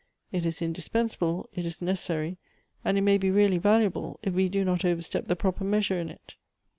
It is indispensable, it is necessary, and it may be really valuable, if we do not overstep the proper measure in it.